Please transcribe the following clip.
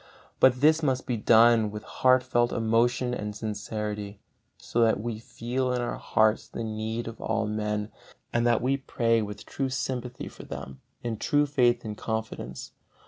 But this must be done with heart felt emotion and sincerity, so that we feel in our hearts the need of all men, and that we pray with true sympathy for them, in true faith and confidence.